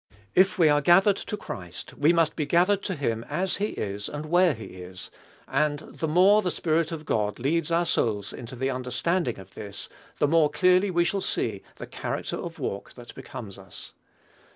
If we are gathered to Christ we must be gathered to him as he is, and where he is; and the more the Spirit of God leads our souls into the understanding of this, the more clearly we shall see the character of walk that becomes us.